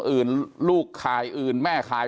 อื่นลูกขายอื่นแม่ขาย